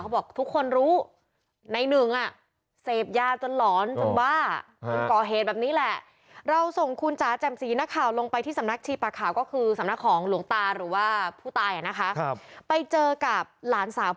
เขาบอกทุกคนรู้ในหนึ่งอ่ะเศฟยาจนหลอน